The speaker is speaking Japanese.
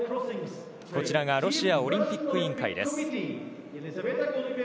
こちらがロシアオリンピック委員会です。